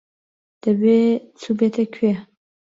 دەبێ چووبێتە کوێ.